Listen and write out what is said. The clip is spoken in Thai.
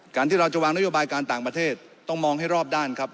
ที่เราจะวางนโยบายการต่างประเทศต้องมองให้รอบด้านครับ